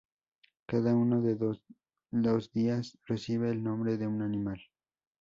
Cada uno de los días recibe el nombre de un animal.